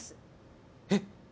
えっ？